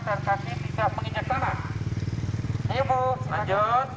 oke kita menginjak sana